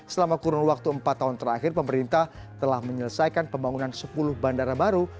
selama kurun waktu empat tahun terakhir pemerintah telah menyelesaikan pembangunan sepuluh bandara baru